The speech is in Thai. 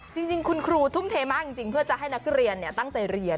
จริงคุณครูทุ่มเทมากจริงเพื่อจะให้นักเรียนตั้งใจเรียน